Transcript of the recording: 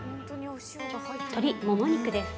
◆鶏もも肉です。